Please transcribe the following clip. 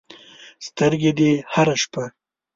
سترګې دې هره شپه